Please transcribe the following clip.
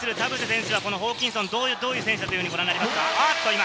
宇都宮でプレーする田臥選手は、ホーキンソン、どういう選手だとご覧になりますか？